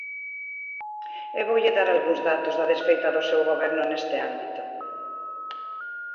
E voulle dar algúns datos da desfeita do seu goberno neste ámbito.